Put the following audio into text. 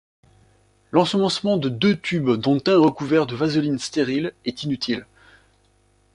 L'ensemencement de deux tubes dont un recouvert de vaseline stérile est inutile.